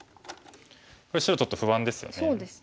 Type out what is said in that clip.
これ白ちょっと不安ですよね。